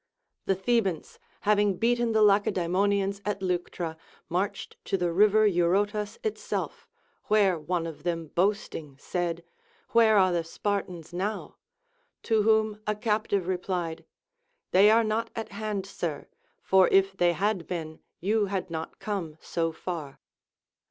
The Tliebans, having beaten the Lacedae monians at Leuctra, marched to the river Eurotas itself, where one of them boasting said, Where are the Spartans now? To whom a captive replied. They are not at hand, sir, for if they had been, you had not come so far.